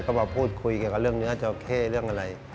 ก็มาพูดคุยเกี่ยวกับเรื่องเนื้อจอเข้เรื่องอะไร